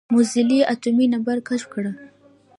موزلي اتومي نمبر کشف کړه.